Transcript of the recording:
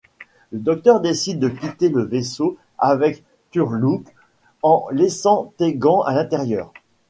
Le Docteur décide de quitter le vaisseau avec Turlough, en laissant Tegan à l'intérieur.